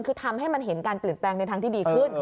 คือทำให้มันเห็นการเปลี่ยนแปลงในทางที่ดีขึ้น